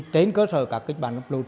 trên cơ sở các kích bản ngập lụt